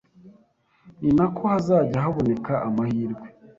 ni nako hazajya haboneka amahirwe